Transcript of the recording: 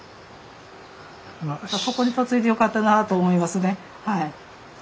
ここに嫁いでよかったなと思いますねはい。